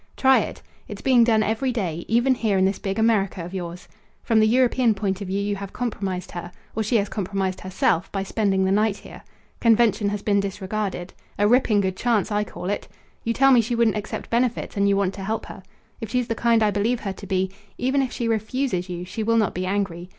"Try it. It's being done every day; even here in this big America of yours. From the European point of view you have compromised her or she has compromised herself, by spending the night here. Convention has been disregarded. A ripping good chance, I call it. You tell me she wouldn't accept benefits, and you want to help her. If she's the kind I believe her to be, even if she refuses you she will not be angry.